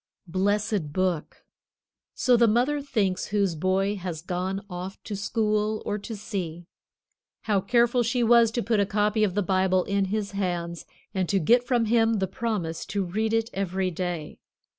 Blessed Book. So the mother thinks whose boy has gone off to school or to sea. How careful she was to put a copy of the Bible in his hands and to get from him the promise to read it every day.